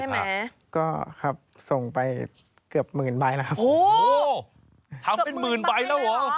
ไหมก็ครับส่งไปเกือบหมื่นใบแล้วครับโอ้โหทำเป็นหมื่นใบแล้วเหรอ